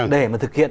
để mà thực hiện